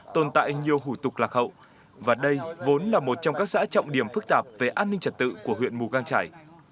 tồn tại nhiều hủ tục lạc hậu và đây vốn là một trong các xã trọng điểm phức tạp về an ninh trật tự của huyện mù căng trải